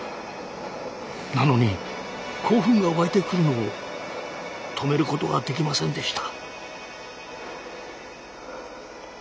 なのに興奮が沸いてくるのを止めることができませんでした。